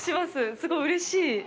すごいうれしい。